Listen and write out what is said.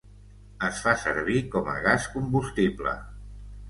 Es fa servir com a gas combustible.